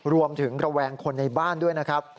รวมถึงระแวงคนในบ้านด้วยนะครับ